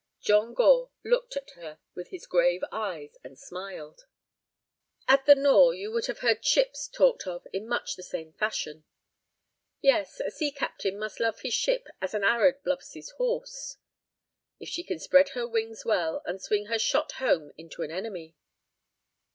John Gore looked at her with his grave eyes and smiled. "At the Nore you would have heard ships talked of in much the same fashion." "Yes. A sea captain must love his ship as an Arab loves his horse." "If she can spread her wings well and swing her shot home into an enemy."